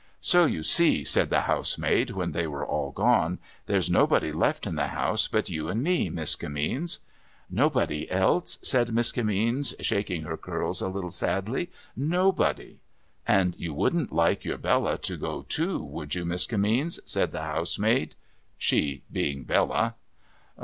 ' So you see,' said the housemaid, when they were all gone, ' there's nobody left in the house but you and me, Miss Kimmeens.' ' Nobody else,' said Miss Kitty Kimmeens, shaking her curls a little sadly. ' Nobody !'' And you wouldn't like your Bella to go too ; would you, Miss Kimmeens ?' said the housemaid. (She being Bella.)